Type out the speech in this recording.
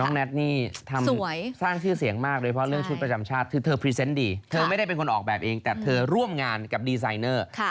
แน็ตนี่ทำสวยสร้างชื่อเสียงมากเลยเพราะเรื่องชุดประจำชาติคือเธอพรีเซนต์ดีเธอไม่ได้เป็นคนออกแบบเองแต่เธอร่วมงานกับดีไซเนอร์